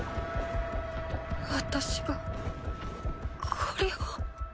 私がこれを。